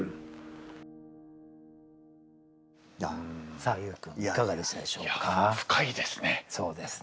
さあ優君いかがでしたでしょうか？